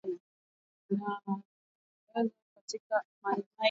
Siku moja kabla wanajeshi waliwaua wapiganaji wanane wa kundi la Mai Mai Mazembe